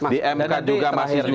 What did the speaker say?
di mk juga